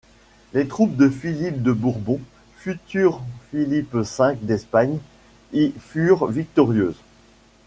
Les troupes de Philippe de Bourbon, futur Philippe V d'Espagne, y furent victorieuses.